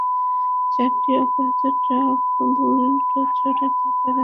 চারটি অকেজো ট্রাক বুলডোজারের ধাক্কায় রাস্তার একপাশে সরিয়ে এনে রাখা হয়।